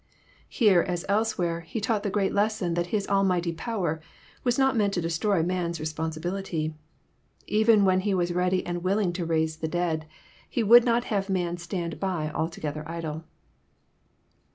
Here, as elsewhere. He taught the great lesson that His almighty power was not meant to destroy man's responsibility. Even when He was ready and willing to raise the dead, He would not have man stand by altc^ther idle.